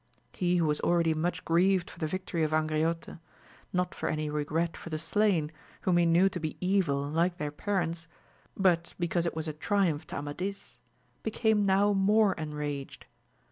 He who was akeady much grieved for the victory of Angriote, not for any regret for the slain, whom he knew to be evil like their parents, but be cause it was a triumph to Amadis, became now more enraged.